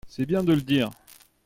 C’est bien de le dire